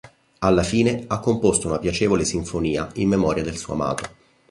Alla fine, ha composto una piacevole sinfonia in memoria del suo amato.